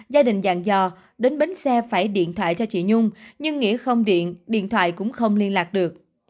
gia đình dạng dò đến bến xe phải điện thoại cho chị nhung nhưng nghĩ không điện điện thoại cũng không liên lạc được